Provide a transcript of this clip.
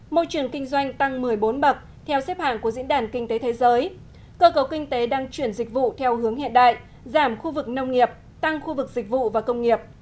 môi trường kinh doanh tăng một mươi bốn bậc theo xếp hạng của diễn đàn kinh tế thế giới cơ cầu kinh tế đang chuyển dịch vụ theo hướng hiện đại giảm khu vực nông nghiệp tăng khu vực dịch vụ và công nghiệp